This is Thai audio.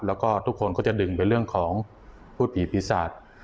แล้วก็ทุกคนก็จะดึงไปเรื่องของพูดผีปีศาจ